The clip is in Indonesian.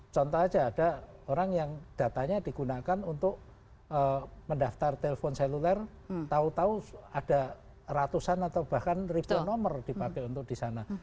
contoh aja ada orang yang datanya digunakan untuk mendaftar telepon seluler tahu tahu ada ratusan atau bahkan ribuan nomor dipakai untuk di sana